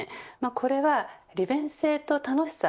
これは利便性と楽しさ